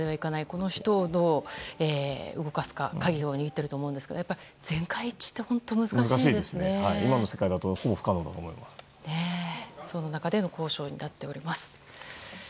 この人をどう動かすか鍵を握っていると思うんですがやっぱり全会一致って今の世界だとどうしてもそんな中での交渉になっています。